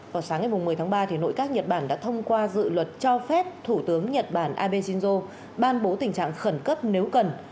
vào sáng ngày một mươi tháng ba nội các nhật bản đã thông qua dự luật cho phép thủ tướng nhật bản abe shinzo ban bố tình trạng khẩn cấp nếu cần